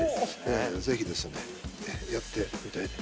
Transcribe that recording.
ぜひですねやっていただいて。